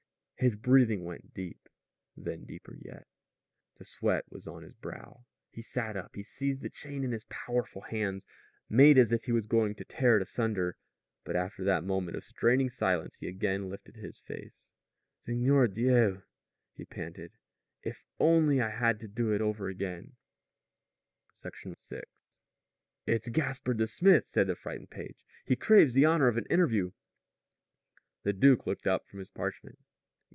His breathing went deep, then deeper yet. The sweat was on his brow. He sat up. He seized the chain in his powerful hands, made as if he were going to tear it asunder. But after that moment of straining silence he again lifted his face. "Seigneur Dieu," he panted; "if if I only had it to do over again!" VI. "It's Gaspard the smith," said the frightened page. "He craves the honor of an interview." The duke looked up from his parchment.